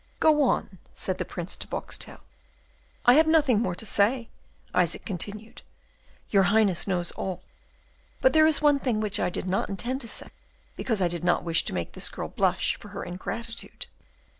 "Go on," said the Prince to Boxtel. "I have nothing more to say," Isaac continued. "Your Highness knows all. But there is one thing which I did not intend to say, because I did not wish to make this girl blush for her ingratitude.